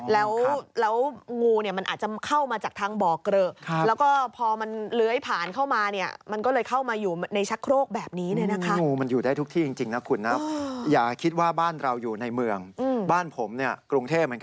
แล้วงูมันอาจจะเข้ามาจากทางบ่อกร